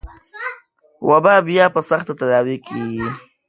وبا بيا په سخته تداوي کېږي.